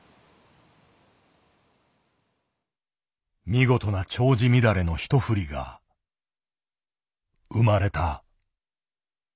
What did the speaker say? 見事な丁子乱れの１振りが生まれた。